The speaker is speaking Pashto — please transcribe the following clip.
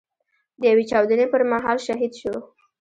د يوې چاودنې پر مهال شهيد شو.